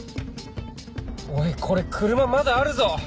おいこれ車まだあるぞ！